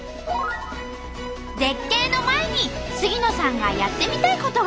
絶景の前に杉野さんがやってみたいことが。